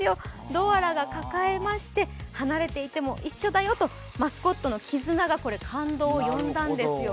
ドアラが抱えまして離れていても一緒だよとマスコットの絆がこれ、感動を呼んだんですよ。